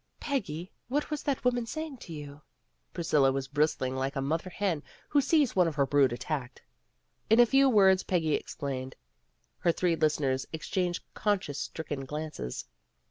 "Peggy, what was that woman saying to A TELEPHONE PARTY 31 you 1 '' Priscilla was bristling like a mother hen who sees one of her brood attacked. In a few words Peggy explained. Her three listeners exchanged conscience stricken glances.